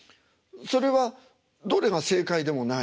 それはどれが正解でもない。